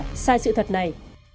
dạ sai sự thật này